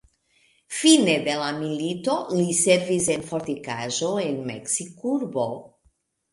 Fine de la milito, li servis en fortikaĵo de Meksikurbo.